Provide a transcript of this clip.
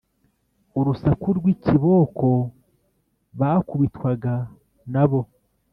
Urusaku rw’ikiboko bakubitwaga nabo